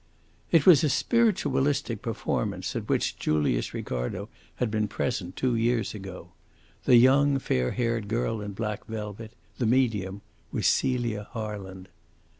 It was a spiritualistic performance at which Julius Ricardo had been present two years ago. The young, fair haired girl in black velvet, the medium, was Celia Harland.